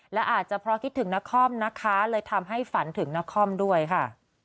และอาจจะเพราะคิดถึงนครนะคะเลยทำให้ฝันถึงนครด้วยค่ะ